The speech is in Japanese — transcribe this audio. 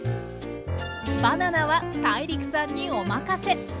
バナナはＴＡＩＲＩＫさんにお任せ。